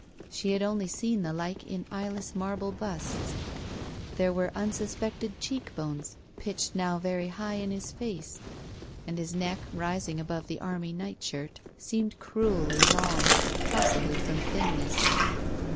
She had only seen the like in eyeless marble busts. There were imsuspected cheek bones, ptched now very high in his face, and his neck, rising above the army nightshirt, seemed cruelly long, possibly from thinness.